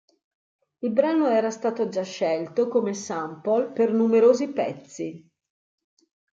Il brano era stato già scelto come sample per numerosi pezzi.